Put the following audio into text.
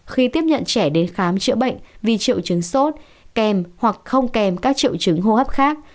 khi tiếp nhận trẻ đến khám chữa bệnh vì triệu chứng sốt kèm hoặc không kèm các triệu chứng hô hấp khác